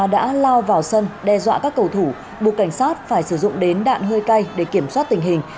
đã lao vào sân đe dọa các cầu thủ buộc cảnh sát phải sử dụng đến đạn hơi cay để kiểm soát tình hình